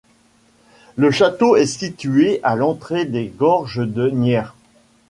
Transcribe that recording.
Le château est situé à l'entrée des gorges de Nyer.